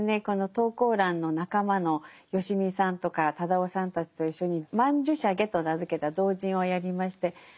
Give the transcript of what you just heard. この投稿欄の仲間のよしみさんとか忠夫さんたちと一緒に「曼珠沙華」と名付けた同人をやりまして